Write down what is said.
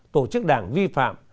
tổ chức đảng vi phạm